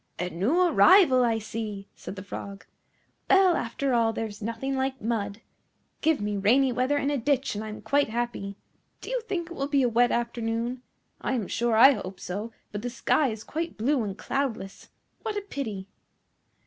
"A new arrival, I see!" said the Frog. "Well, after all there is nothing like mud. Give me rainy weather and a ditch, and I am quite happy. Do you think it will be a wet afternoon? I am sure I hope so, but the sky is quite blue and cloudless. What a pity!"